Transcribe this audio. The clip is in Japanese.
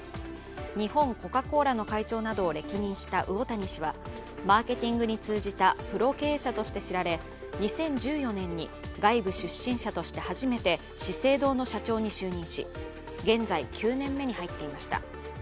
日本コカ・コーラの会長などを歴任した魚谷氏は、マーケティングに通じたプロ経営者として知られ２０１４年に外部出身者として初めて資生堂の社長に就任し、現在９年目に入っていました。